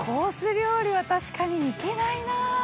料理は確かにいけないな！